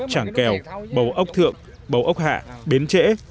trảng kèo bầu ốc thượng bầu ốc hạ bến trễ